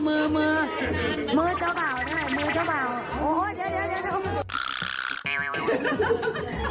มือเจ้าเบามือเจ้าเบา